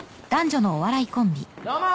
どうも！